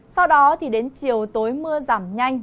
sau đó thì đến chiều tối mưa giảm nhanh